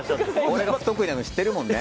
俺が不得意なの知ってるもんね。